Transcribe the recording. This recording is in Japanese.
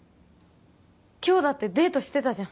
今日だってデートしてたじゃん